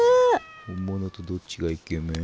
本物とどっちがイケメン？